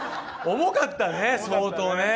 重かったね、相当ね。